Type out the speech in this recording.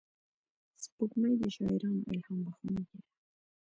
سپوږمۍ د شاعرانو الهام بښونکې ده